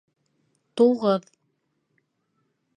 Туғыҙ